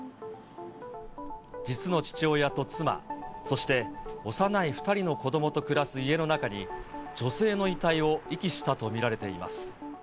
実の父親と妻、そして幼い２人の子どもと暮らす家の中に、女性の遺体を遺棄したと見られています。